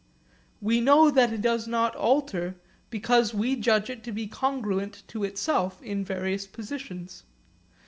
We know that it does not alter because we judge it to be congruent to itself in various positions.